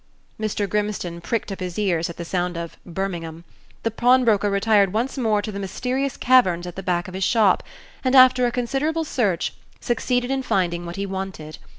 Mr. Grimstone pricked up his ears at the sound of "Birmingham." The pawnbroker retired once more to the mysterious caverns at the back of his shop, and, after a considerable search, succeeded in finding what he wanted.